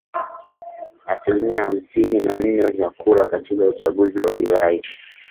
asilimia hamsini na nne za kura katika uchaguzi wa Julai